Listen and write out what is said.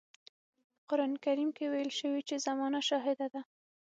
په قرآن کريم کې ويل شوي چې زمانه شاهده ده.